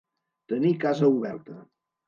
Tenir casa oberta.